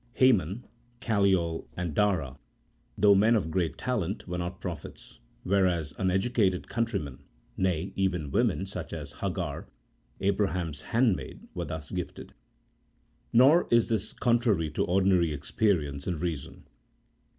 Heman, Calcol, and Dara, though men of great talent, were not prophets, whereas uneducated countrymen, nay, even women, such as Hagar, Abraham's handmaid, were thus gifted. Nor is tins contrary to ordi nary experience and reason.